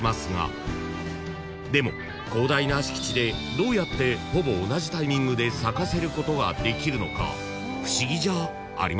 ［でも広大な敷地でどうやってほぼ同じタイミングで咲かせることができるのか不思議じゃありませんか？］